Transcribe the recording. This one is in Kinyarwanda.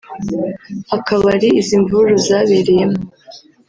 akabari izi mvururu zabereyemo